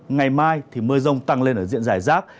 ngày mai mưa rông tăng lên ở diện giải rác